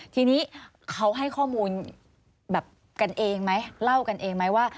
ทีนี้เขาให้ข้อมูลแบบกันเองไหมเล่ากันเองไหมว่า